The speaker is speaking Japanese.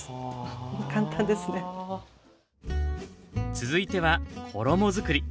続いては衣作り。